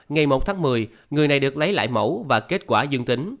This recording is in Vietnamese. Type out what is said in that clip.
ngày một tháng một mươi người này được lấy lại mẫu